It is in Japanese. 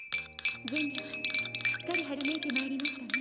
「前略すっかり春めいてまいりましたね」